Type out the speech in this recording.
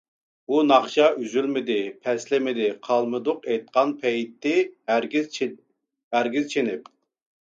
بۇ ناخشا ئۈزۈلمىدى، پەسلىمىدى، قالمىدۇق ئېيتقان پەيتى ھەرگىز چېنىپ.